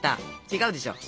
違うでしょ。